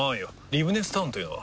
リブネスタウンというのは？